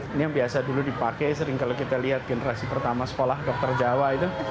ini yang biasa dulu dipakai sering kalau kita lihat generasi pertama sekolah dokter jawa itu